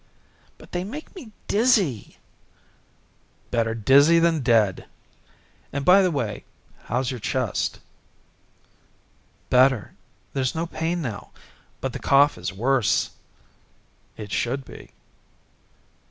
"But they make me dizzy." "Better dizzy than dead. And, by the way how's your chest?" "Better. There's no pain now. But the cough is worse." "It should be."